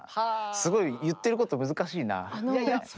すごい言ってること難しいな。